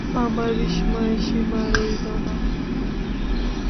আমার বিস্ময়ের সীমা রইল না।